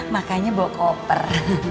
makanya bawa koper